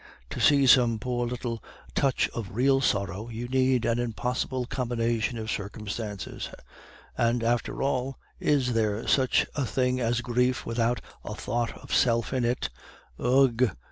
To see some poor little touch of real sorrow, you need an impossible combination of circumstances. And, after all, is there such a thing as grief without a thought of self in it?" "Ugh!"